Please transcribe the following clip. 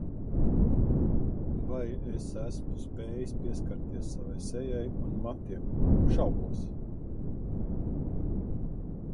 Vai es esmu spējis nepieskarties sevai sejai un matiem - šaubos.